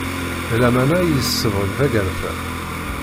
D lamana i isebɣen tagerfa.